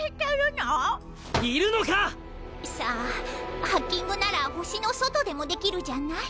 ⁉さぁハッキングなら星の外でもできるじゃない？